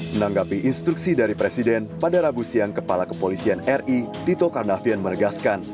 menanggapi instruksi dari presiden pada rabu siang kepala kepolisian ri tito karnavian menegaskan